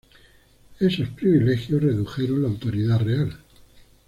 Esos privilegios redujeron la autoridad real.